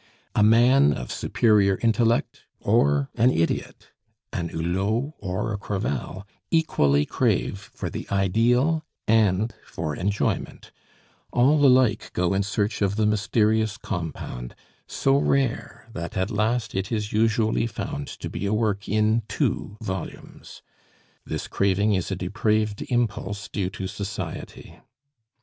A man of superior intellect or an idiot a Hulot or a Crevel equally crave for the ideal and for enjoyment; all alike go in search of the mysterious compound, so rare that at last it is usually found to be a work in two volumes. This craving is a depraved impulse due to society.